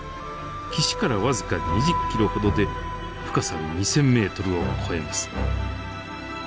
岸から僅か２０ｋｍほどで深さ２，０００ｍを超えます。